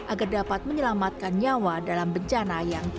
agar dapat menyelamatkan nyawa dalam bencana yang